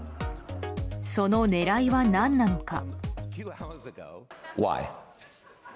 その狙いは何なのか。